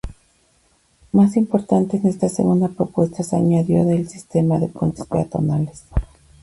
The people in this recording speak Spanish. Más importante, en esta segunda propuesta se añadió el sistema de puentes peatonales.